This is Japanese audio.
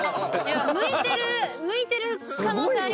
向いてる可能性ありますよ。